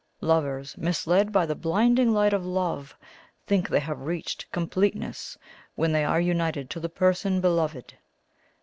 Lovers, misled by the blinding light of Love, think they have reached completeness when they are united to the person beloved.